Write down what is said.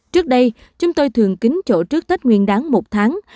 trước đây chúng tôi thường kính chỗ trước tết nguyên đáng một tháng